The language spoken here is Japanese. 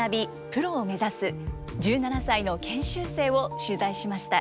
プロを目指す１７歳の研修生を取材しました。